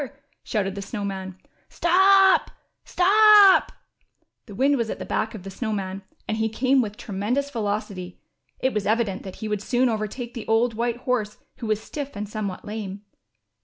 shouted the Snow Man. Stop, stop !" The wind was at the back of the Snow Man, and he came with tremendous velocity. It was evident that he would soon overtake the old white horse who was stiff and somewhat lame.